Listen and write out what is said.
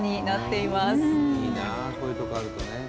いいなあこういうとこあるとね。